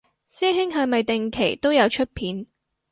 師兄係咪定期都有出片